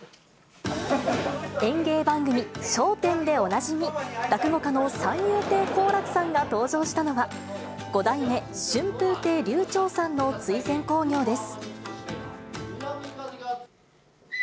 演芸番組、笑点でおなじみ、落語家の三遊亭好楽さんが登場したのは、五代目春風亭柳朝さんの追善興行です。